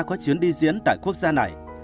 có chuyến đi diễn tại quốc gia này